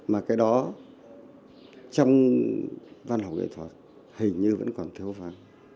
mà cái đó trong văn học nghệ thuật hình như vẫn còn thiếu vắng